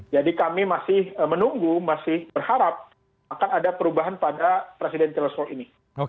jadi kami masih menunggu masih berharap akan ada perubahan pada presiden telekom ini